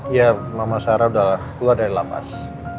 iya mama sarah udah keluar dari lamas